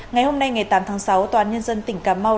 ngày hôm nay ngày tám tháng sáu tòa án nhân dân tỉnh cà mau